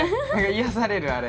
癒やされるあれ。